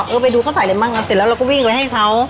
ไปดูเขาใส่อะไรมั่งอ่ะเสร็จแล้วเราก็วิ่งไปให้เขา